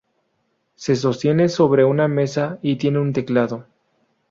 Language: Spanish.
Se sostiene sobre una mesa y tiene un teclado.